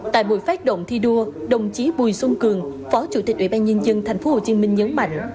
tại buổi phát động thi đua đồng chí bùi xuân cường phó chủ tịch ủy ban nhân dân tp hcm nhấn mạnh